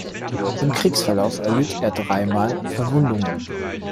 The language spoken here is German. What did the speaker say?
Im Kriegsverlauf erlitt er dreimal Verwundungen.